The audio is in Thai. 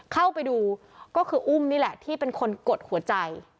เข้าไปดูก็คืออุ้มนี่แหละที่เป็นคนกดหัวใจ